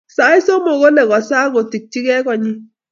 Sait somok kole kosa akotikchikei konyi